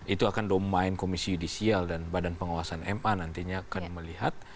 itu akan domain komisi yudisial dan badan pengawasan ma nantinya akan melihat